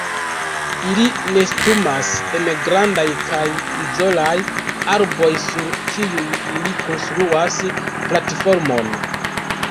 Ili nestumas en grandaj kaj izolaj arboj sur kiuj ili konstruas platformon.